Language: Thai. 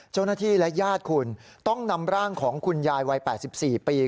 เจ้าหน้าที่และญาติคุณต้องนำร่างของคุณยายวัย๘๔ปี